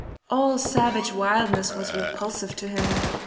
All savage wildness was repulsive to him.